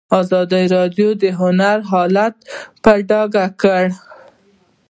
ازادي راډیو د هنر حالت په ډاګه کړی.